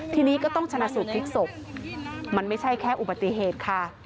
ทีนี้ก็ต้องชนะสูตพลิกศพมันไม่ใช่แค่อุบัติเหตุค่ะ